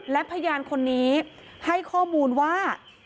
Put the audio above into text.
และพยานคนนี้ให้ข้อมูลว่า